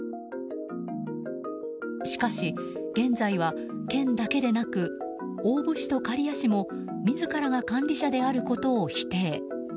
しかし現在は、県だけでなく大府市と刈谷市も自らが管理者であることを否定。